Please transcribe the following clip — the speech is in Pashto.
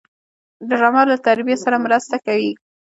ډرامه له تربیې سره مرسته کوي